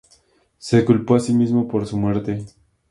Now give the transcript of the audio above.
Se culpó a sí mismo por su muerte.